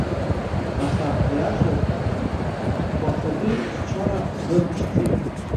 Аха, аиашаз, уахатәи счара дырԥшӡеит.